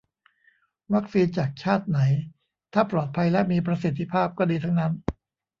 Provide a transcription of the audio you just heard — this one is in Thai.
วัคซีนจากชาติไหน ถ้าปลอดภัยและมีประสิทธิภาพ ก็ดีทั้งนั้น